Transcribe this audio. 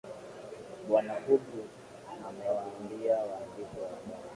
bwana hobrook amewaabia waandishi wa habari